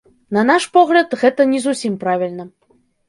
На наш погляд, гэта не зусім правільна.